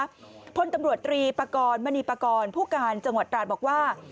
พลตำรวจตรีปากรมณีปากรผู้การจังหวัดตราดบอกว่า